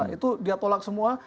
itu dia tolak semua